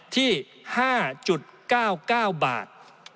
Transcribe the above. ที่๕๙๙บาท